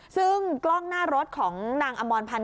ซึ่งกล้องหน้ารถของนางอมรพันธ